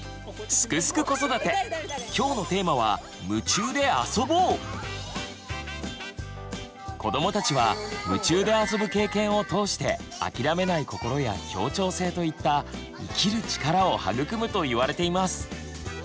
「すくすく子育て」今日のテーマは子どもたちは夢中であそぶ経験を通して諦めない心や協調性といった「生きる力」を育むといわれています。